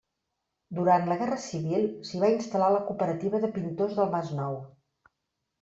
Durant la Guerra Civil s'hi va instal·lar la cooperativa de pintors del Masnou.